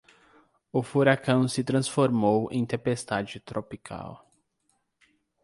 O furacão se transformou em tempestade tropical